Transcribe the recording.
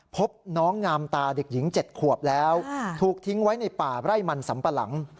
พบน้องงามตาเด็กหญิง๗ขวบแล้วถูกทิ้งไว้ในป่าไร่มันสัมปะหลัง